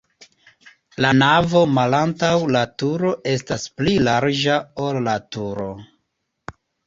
La navo malantaŭ la turo estas pli larĝa, ol la turo.